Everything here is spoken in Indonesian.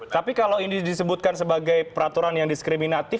tapi kalau ini disebutkan sebagai peraturan yang diskriminatif